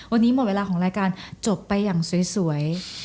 วันนี้หมดเวลาของรายการจบไปอย่างสวย